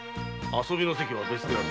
遊びの席は別であろう。